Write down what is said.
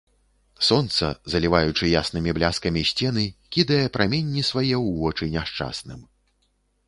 Сонца, заліваючы яснымі бляскамі сцены, кідае праменні свае ў вочы няшчасным.